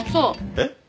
えっ？